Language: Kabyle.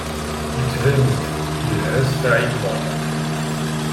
Yettban-d yelha Saɛid Waɛmaṛ.